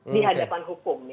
di hadapan hukum